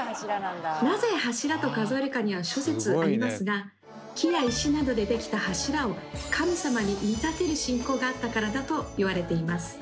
なぜ「柱」と数えるかには諸説ありますが木や石などで出来た柱を神様に見立てる信仰があったからだと言われています。